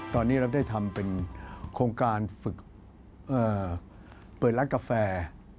ตอนนี้เราได้ทำเป็นโครงการฝึกเปิดร้านกาแฟ